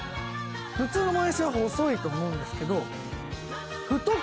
普通のもやしは細いと思うんですけど。